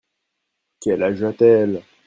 Quel âge a-t-elle ?